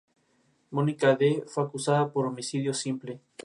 Mónica D. fue acusada por homicidio simple.